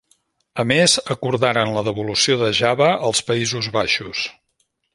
A més acordaren la devolució de Java als Països Baixos.